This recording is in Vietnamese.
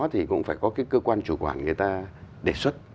thì cũng phải có cái cơ quan chủ quản người ta đề xuất